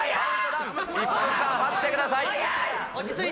１分間走ってください。